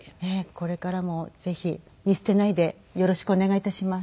これからもぜひ見捨てないでよろしくお願い致します。